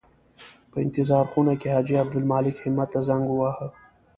په انتظار خونه کې حاجي عبدالمالک همت ته زنګ وواهه.